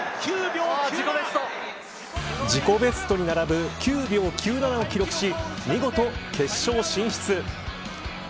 自己ベストに並ぶ９秒９７を記録し見事、決勝進出。